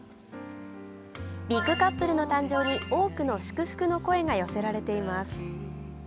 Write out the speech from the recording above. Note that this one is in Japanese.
ビッグカップルの誕生に多くの祝福の声が寄せられています。